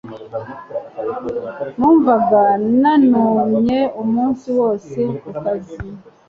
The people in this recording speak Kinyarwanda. numvaga nunamye umunsi wose ku kazi